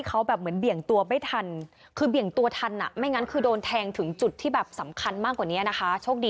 ขั้นล้ออะไรกันมาก่อนไม่